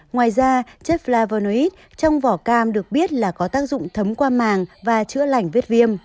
ngoài ra chất flavonoid trong vỏ cam được biết là có tác dụng thấm qua màng và chữa lảnh viết viêm